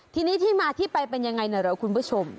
ทีนี้ที่มาที่ไปเป็นยังไงนะเหรอคุณผู้ชม